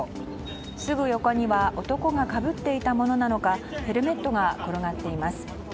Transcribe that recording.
すぐ横には男がかぶっていたものなのかヘルメットが転がっています。